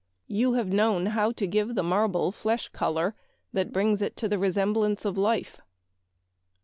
You have known how to give the marble flesh color, that brings it to the resemblance of life."